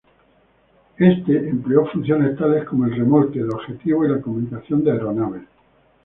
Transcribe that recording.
Este empleó funciones tales como el remolque de objetivos y la comunicación de aeronaves.